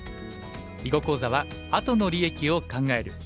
囲碁講座は「あとの利益を考える」。